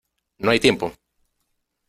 ¡ no hay tiempo!